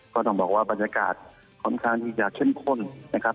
ก็ต้องบอกว่าบรรยากาศค่อนข้างที่จะเข้มข้นนะครับ